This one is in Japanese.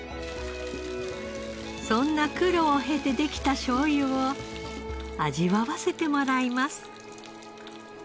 そんな苦労を経てできたしょうゆを味わわせてもらいます。